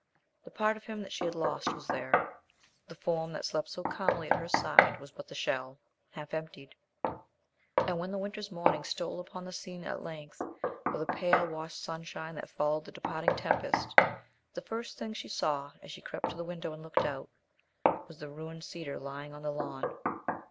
The part of him that she had lost was there. The form that slept so calmly at her side was but the shell, half emptied. And when the winter's morning stole upon the scene at length, with a pale, washed sunshine that followed the departing tempest, the first thing she saw, as she crept to the window and looked out, was the ruined cedar lying on the lawn.